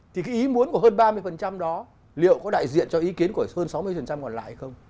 thì cái ý muốn của hơn ba mươi đó liệu có đại diện cho ý kiến của hơn sáu mươi còn lại hay không